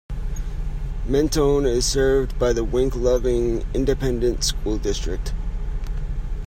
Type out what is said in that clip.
Mentone is served by the Wink-Loving Independent School District.